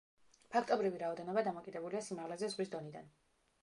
ფაქტობრივი რაოდენობა დამოკიდებულია სიმაღლეზე ზღვის დონიდან.